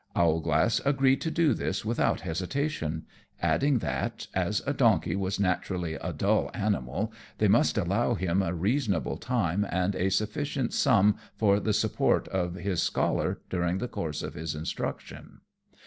Owlglass agreed to do this without hesitation, adding that, as a donkey was naturally a dull animal, they must allow him a reasonable time and a sufficient sum for the support of his scholar during the course of his instruction.